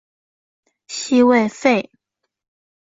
西魏废。